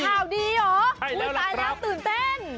ข่าวดีเหรอคุณตายแล้วตื่นเต้นใช่แล้วล่ะครับ